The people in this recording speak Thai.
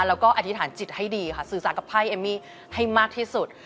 แล้วก็อธิษฐานจิตให้ดีค่ะสื่อสารกับไพ่เอมมี่ให้มากที่สุด